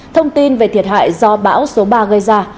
thông tin về thiệt hại do bão số ba gây ra